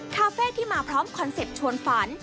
คาเฟ่ที่มาพร้อมคอนเซ็ปต์ชวนฝัน